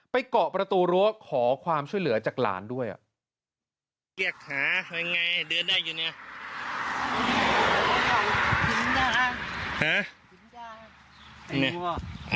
เกาะประตูรั้วขอความช่วยเหลือจากหลานด้วย